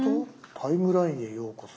「タイムラインへようこそ」。